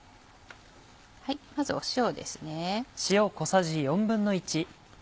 まず塩ですね。